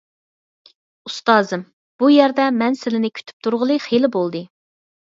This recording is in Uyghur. ئۇستازىم، بۇ يەردە مەن سىلىنى كۈتۈپ تۇرغىلى خېلى بولدى.